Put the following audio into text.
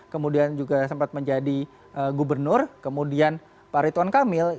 kemudian juga sempat menjadi gubernur kemudian pak ritwan kamil